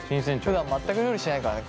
ふだん全く料理しないからね